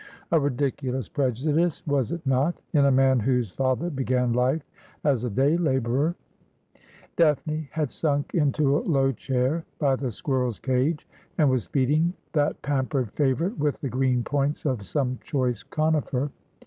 A ridiculous prejudice, was it not, in a man whose father began life as a day labourer ?' Daphne had sunk into a low chair by the squirrel's cage, and was feeding that pampered favourite with the green points of some choice conifer.